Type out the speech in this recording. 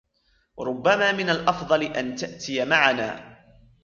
ربما من الأفضل أن تأتي معنا.